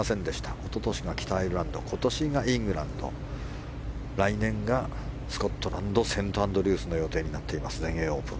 一昨年が北アイルランド来年がスコットランドセントアンドリュースの予定になっています全英オープン。